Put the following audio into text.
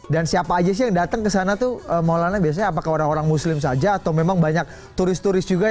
dan siapa aja sih yang datang ke sana tuh maulana biasanya apakah orang orang muslim saja atau memang banyak turis turis juga